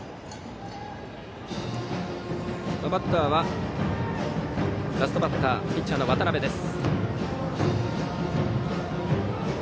バッターはラストバッターピッチャーの渡辺です。